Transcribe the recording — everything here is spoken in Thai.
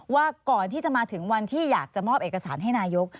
ว่าก่อนที่จะมาถึงวันที่อยากจะมอบเอกสารให้นายก